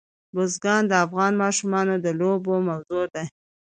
بزګان د افغان ماشومانو د لوبو موضوع ده.